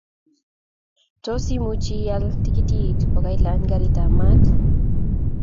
Tos, imuchi ial tikitit kokailany gariitab maat?